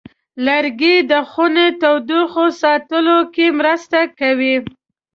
لرګی د خونې تودوخې ساتلو کې مرسته کوي.